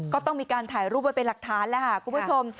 ก็ต้องมีการถ่ายรูปไว้เป็นหลักฐานแล้วค่ะคุณผู้ชม